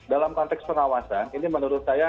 dalam konteks pengawasan ini menurut saya